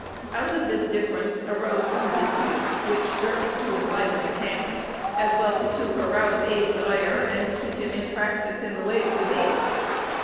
Out of this difference arose some disputes, which served to enliven the camp, as well as to arouse Abe's ire, and keep him in practice in the way of debate.